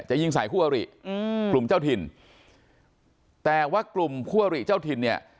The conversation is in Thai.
จะยิงใส่ผู้บริกลุ่มเจ้าถิ่นแต่ว่ากลุ่มผู้บริเจ้าถิ่นเนี่ย